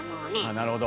なるほど。